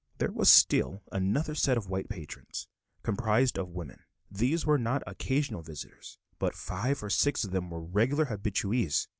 There was still another set of white patrons, composed of women; these were not occasional visitors, but five or six of them were regular habituées.